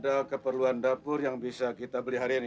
ada keperluan dapur yang bisa kita beli hari ini